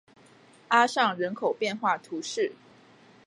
阿尚人口变化图示